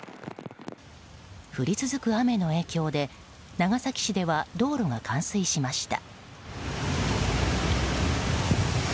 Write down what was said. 降り続く雨の影響で長崎市では道路が冠水しました。